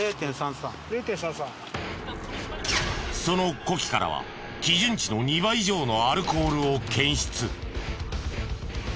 その呼気からは基準値の２倍以上のアルコールを検出。